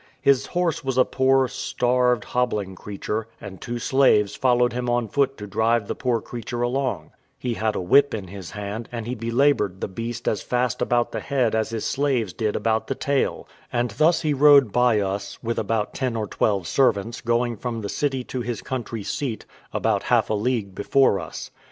His horse was a poor, starved, hobbling creature, and two slaves followed him on foot to drive the poor creature along; he had a whip in his hand, and he belaboured the beast as fast about the head as his slaves did about the tail; and thus he rode by us, with about ten or twelve servants, going from the city to his country seat, about half a league before us.